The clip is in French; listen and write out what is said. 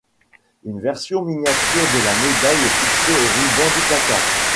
Une version miniature de la médaille est fixée au ruban du placard.